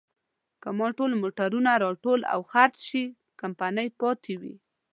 که ټول موټرونه راټول او خرڅ شي، کمپنۍ پاتې وي.